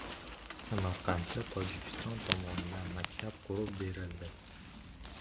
Samarqandda Tojikiston tomonidan maktab qurib berildi